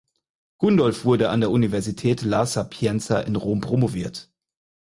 Gundolf wurde an der Universität La Sapienza in Rom promoviert.